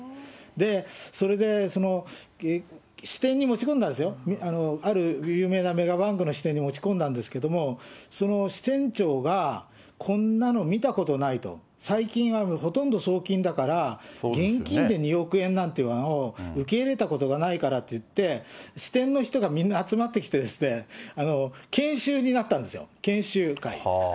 で、それで、支店に持ち込んだんですよ、ある有名なメガバンクの支店に持ち込んだんですけれども、その支店長がこんなの見たことないと、最近はほとんど送金だから、現金で２億円なんて受け入れたことがないからって言って、支店の人がみんな集まってきてですね、研修になったんですよ、研修会。